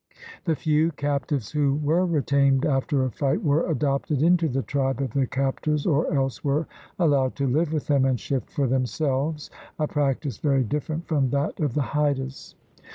The few captives who were retained after a fight were adopted into the tribe of the captors or else were allowed to live with them and shift for themselves — a practice very different from that of the Haidas.